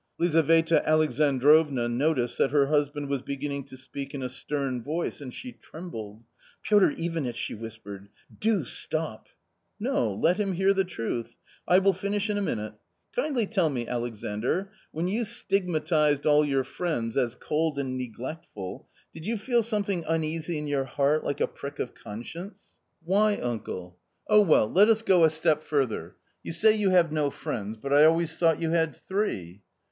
Lizaveta Alexandrovna noticed that her husband was beginning to speak in a stern voice and she trembled. " Piotr Ivanitch," she whispered, " do stop." " No, let him hear the truth. I will finish in a minute. Kindly tell me, Alexandr, when you stigmatised all your friends as cold and neglectful, did you feel something uneasy in your heart like a prick of conscience ?" 154 A COMMON STORY « Why, uncle ?"" Oh, well, let us go a step further. You say you have no friends, but I always thought you had three."